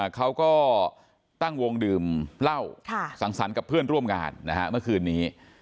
เขาก็ตั้งวงดื่มเหล้าสังสรรค์กับเพื่อนร่วมงานเมื่อคืนนี้